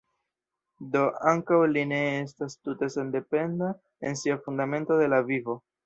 Do ankaŭ li ne estas tute sendependa en sia fundamento de la vivo.